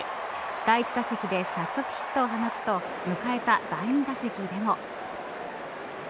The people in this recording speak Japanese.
第１打席で早速ヒットを放つと迎えた第２打席でも。